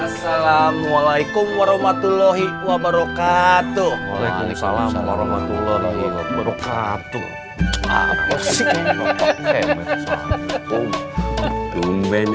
assalamualaikum warahmatullahi wabarakatuh waalaikumsalam warahmatullahi wabarakatuh